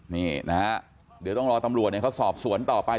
นี่นะฮะเดี๋ยวต้องรอตำรวจเขาสอบสวนต่อไป